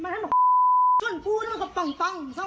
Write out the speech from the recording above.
กลั้วไว้ถอดทางพี่ตาย